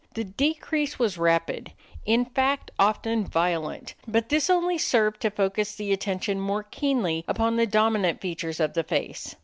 The decrease was rapid; in fact often violent, but this only served to focus the attention more keenly upon the dominant features of the face.